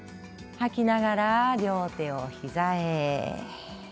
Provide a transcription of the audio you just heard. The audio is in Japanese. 吐きながら両手を膝へ。